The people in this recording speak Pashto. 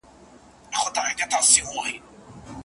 د دغه مار د ويښېدلو کيسه ختمه نه ده